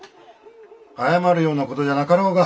謝るようなことじゃなかろうが。